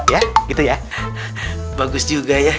ya gitu ya bagus juga ya